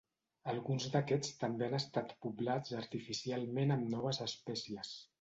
Alguns d'aquests també han estat poblats artificialment amb noves espècies.